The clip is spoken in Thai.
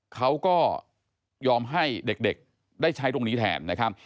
เขาก็ยอมให้เด็กได้ใช้ตรงนี้แทนนะครับ